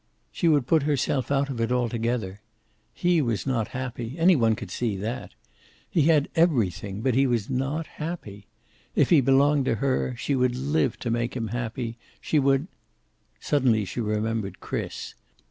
She would put herself out of it altogether. He was not happy. Any one could see that. He had everything, but he was not happy. If he belonged to her, she would live to make him happy. She would Suddenly she remembered Chris.